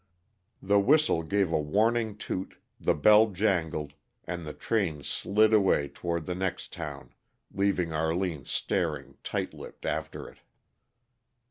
The whistle gave a warning toot, the bell jangled, and the train slid away toward the next town, leaving Arline staring, tight lipped, after it.